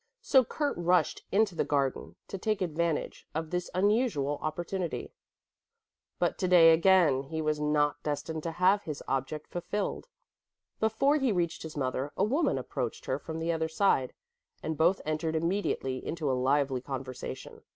So Kurt rushed into the garden to take advantage of this unusual opportunity. But today again he was not destined to have his object fulfilled. Before he reached his mother, a woman approached her from the other side, and both entered immediately into a lively conversation.